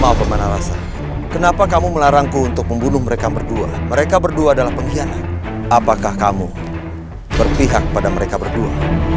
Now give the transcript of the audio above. kenapa kamu melarangku untuk membunuh mereka berdua mereka berdua adalah pengkhianat apakah kamu berpihak pada mereka berdua